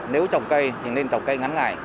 nếu trồng cây thì nên trồng cây ngắn ngải